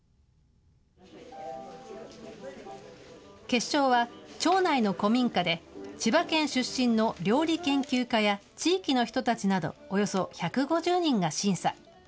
決勝は、町内の古民家で、千葉県出身の料理研究家や、地域の人たちなど、およそ１５０人が審査。